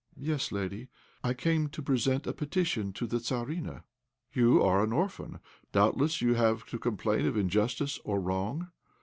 "Yes, lady, I came to present a petition to the Tzarina." "You are an orphan; doubtless you have to complain of injustice or wrong."